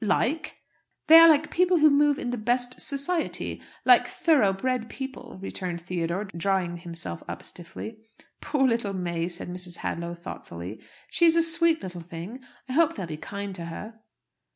"Like? They are like people who move in the best society like thoroughbred people," returned Theodore, drawing himself up, stiffly. "Poor little May!" said Mrs. Hadlow, thoughtfully. "She's a sweet little thing. I hope they'll be kind to her."